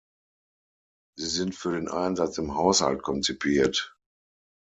Sie sind für den Einsatz im Haushalt konzipiert.